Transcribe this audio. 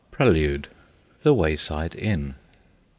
PRELUDE. THE WAYSIDE INN.